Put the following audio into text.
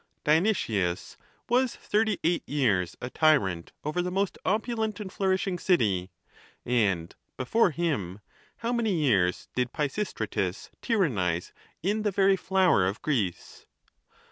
Dionysius was Ihivty eight years a tyrant over the most opulent and flourisliing city ; and, before him, how many years did Pisistratus tyrannize in the very flow er of Greece